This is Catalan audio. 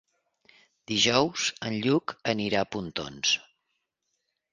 Dijous en Lluc anirà a Pontons.